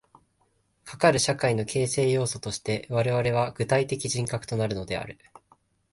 かかる社会の形成要素として我々は具体的人格となるのである。